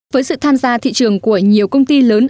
với sự tham gia thị trường của nhiều công ty lớn